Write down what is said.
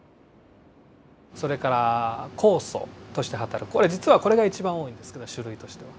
それから酵素として働く実はこれが一番多いんですけど種類としては。